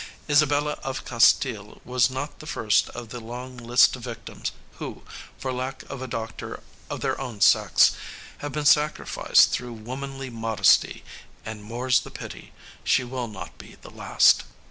Isabella of Castile was not the first of the long list of victims who, for lack of a doctor of their own sex, have been sacrificed through womanly modesty, and, more's the pity, she will not be the last.